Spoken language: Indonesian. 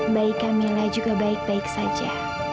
baik kamilah juga baik baik saja